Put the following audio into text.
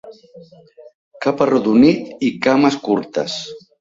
Cap arrodonit i cames curtes.